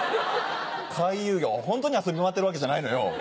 回遊魚ホントに遊び回ってるわけじゃないのよ。